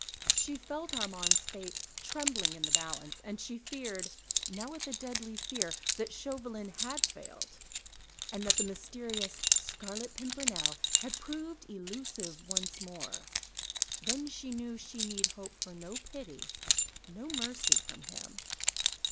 She felt Armand's fate trembling in the balance ... she feared—now with a deadly fear—that Chauvelin had failed, and that the mysterious Scarlet Pimpernel had proved elusive once more; then she knew that she need hope for no pity, no mercy, from him.